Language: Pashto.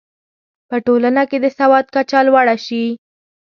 په ټولنه کې د سواد کچه لوړه شي.